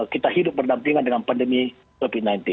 kita hidup berdampingan dengan pandemi covid sembilan belas